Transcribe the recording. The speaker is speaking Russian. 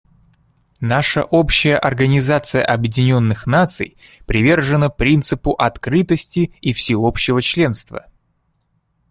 Наша общая Организация Объединенных Наций привержена принципу открытости и всеобщего членства.